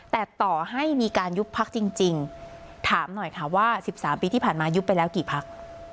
แต่ต่อให้มีการยุบพักจริงถามหน่อยค่ะว่า๑๓ปีที่ผ่านมายุบไปแล้วกี่พัก